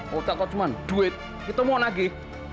kalau takut cuma duit kita mau nage